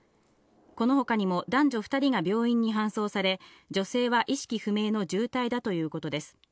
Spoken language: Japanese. このほかにも男女２人が病院に搬送され、女性は意識不明の重体だということです。